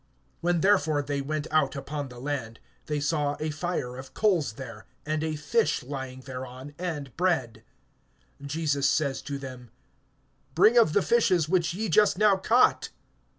(9)When therefore they went out upon the land, they see a fire of coals there, and a fish lying thereon, and bread. (10)Jesus says to them: Bring of the fishes which ye just now caught.